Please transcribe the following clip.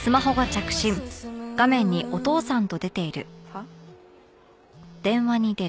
はっ？